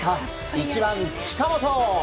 １番、近本。